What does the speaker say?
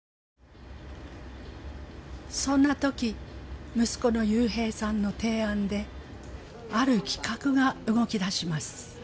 そんなとき息子の侑平さんの提案である企画が動き出します。